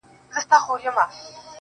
ډک گيلاسونه دي شرنگيږي، رېږدي بيا ميکده.